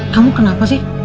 kamu kenapa sih